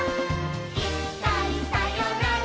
「いっかいさよなら